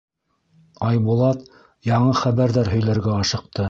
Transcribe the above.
Айбулат яңы хәбәрҙәр һөйләргә ашыҡты: